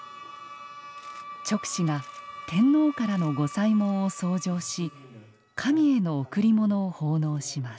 勅使が天皇からの御祭文を奏上し神への贈り物を奉納します。